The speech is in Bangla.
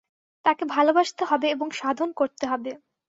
তাঁকে ভালবাসতে হবে এবং সাধন করতে হবে।